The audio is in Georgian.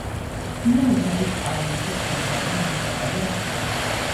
მდინარეში არის კალმახი, ქაშაყი, მურწა და სხვა.